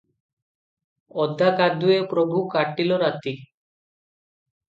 ଓଦା କାଦୁଏ ପ୍ରଭୁ କାଟିଲ ରାତି